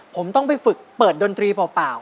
ผมต้องไปฝึกเปิดดนตรีเปล่า